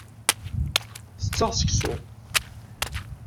Tetteɣ seksu.